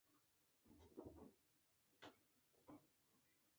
کامن وایس د پښتو ژبې د ټکنالوژۍ پر پیاوړي کولو کار کوي.